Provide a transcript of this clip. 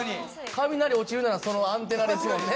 雷落ちるならそのアンテナですよね。